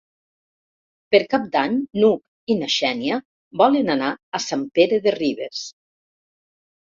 Per Cap d'Any n'Hug i na Xènia volen anar a Sant Pere de Ribes.